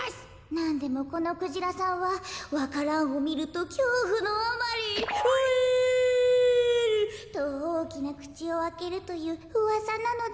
なんでもこのクジラさんはわか蘭をみるときょうふのあまりホエールとおおきなくちをあけるといううわさなのでございます。